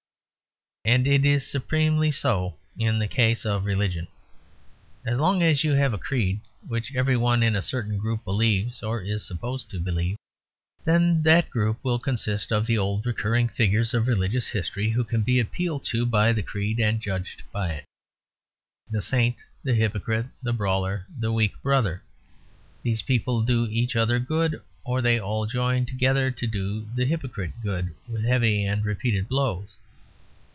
And it is supremely so in the case of religion. As long as you have a creed, which every one in a certain group believes or is supposed to believe, then that group will consist of the old recurring figures of religious history, who can be appealed to by the creed and judged by it; the saint, the hypocrite, the brawler, the weak brother. These people do each other good; or they all join together to do the hypocrite good, with heavy and repeated blows.